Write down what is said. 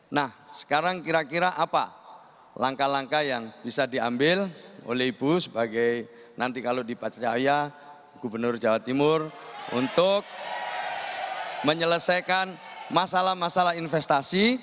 nah sekarang kira kira apa langkah langkah yang bisa diambil oleh ibu sebagai nanti kalau dipercaya gubernur jawa timur untuk menyelesaikan masalah masalah investasi